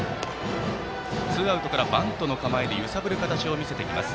ツーアウトからバントの構えで揺さぶる形を見せました。